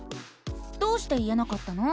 どうして言えなかったの？